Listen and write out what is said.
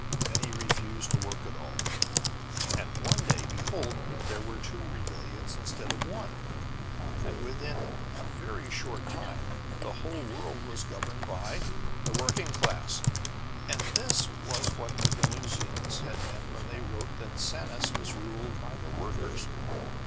Many refused to work at all; and one day, behold, there were two rebellions instead of one! And within a very short time the whole world was governed by the working class!" So this was what the Venusians had meant when they wrote that Sanus was ruled by the workers!